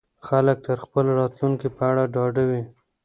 خلک د خپل راتلونکي په اړه ډاډه وي.